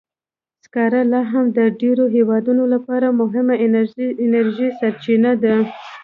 سکاره لا هم د ډېرو هېوادونو لپاره مهمه انرژي سرچینه ده.